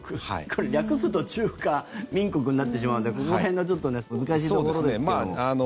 これ、略すと中華民国になってしまうのでこの辺がちょっと難しいところですけども。